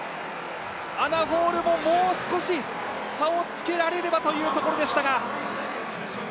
アナ・ホールももう少し差をつけられればというところでしたが。